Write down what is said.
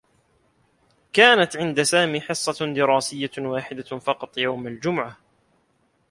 كانت عند سامي حصّة دراسيّة واحدة فقط يوم الجمعة.